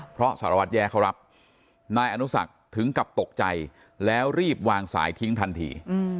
เพราะสารวัตรแย่เขารับนายอนุสักถึงกับตกใจแล้วรีบวางสายทิ้งทันที